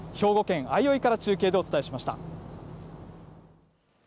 兵庫県相生から中継でお伝えしました。